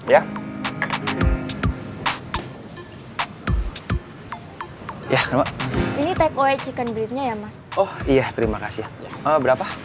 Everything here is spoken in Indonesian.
ya ya ini tak boleh chicken breadnya ya mas oh iya terima kasih berapa satu ratus sembilan puluh satu ratus sembilan puluh